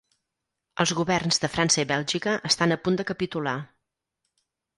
Els governs de França i Bèlgica estan a punt de capitular.